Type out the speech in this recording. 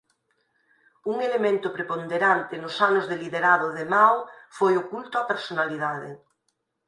Un elemento preponderante nos anos de liderado de Mao foi o culto á personalidade.